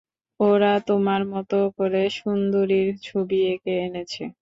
ওরা তোমার মতো করে সুন্দরীর ছবি এঁকে এনেছে।